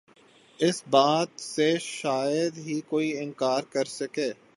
اس بات سے شاید ہی کوئی انکار کرسکے